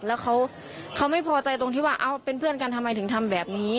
แล้วเขาไม่พอใจตรงที่ว่าเป็นเพื่อนกันทำไมถึงทำแบบนี้